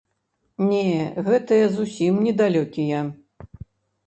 Не, гэтыя зусім не далёкія.